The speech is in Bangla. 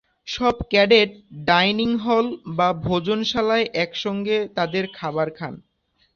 সব ক্যাডেট ডাইনিং হল বা ভোজনশালায় একসঙ্গে তাদের খাবার খান।